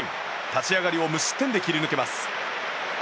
立ち上がりを無失点で切り抜けます。